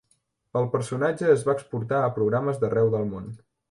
El personatge es va exportar a programes d'arreu del món.